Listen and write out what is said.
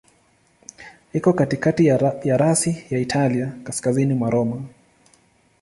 Iko katikati ya rasi ya Italia, kaskazini kwa Roma.